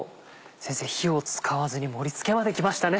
先生火を使わずに盛り付けまできましたね。